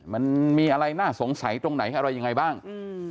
มันมีอะไรน่าสงสัยตรงไหนอะไรยังไงบ้าง